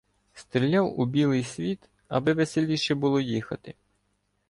Стріляв у білий світ, аби веселіше було їхати.